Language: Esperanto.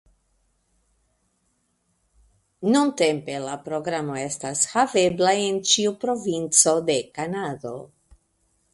Nuntempe la programo estas havebla en ĉiu provinco de Kanado.